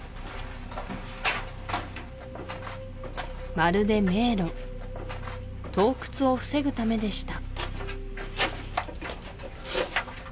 まるで迷路盗掘を防ぐためでした